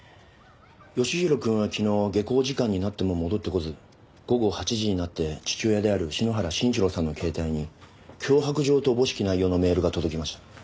吉宏くんは昨日下校時間になっても戻ってこず午後８時になって父親である篠原信一郎さんの携帯に脅迫状とおぼしき内容のメールが届きました。